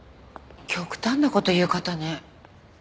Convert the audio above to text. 極端な事言う方ね。